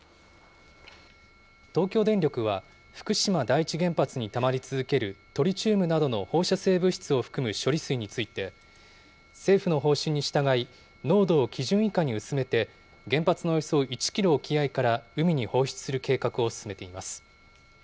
東京電力は、福島第一原発にたまり続けるトリチウムなどの放射性物質を含む処理水について、政府の方針に従い、濃度を基準以下に薄めて、原発のおよそ１キロ沖合から海に放出する計画を進めています。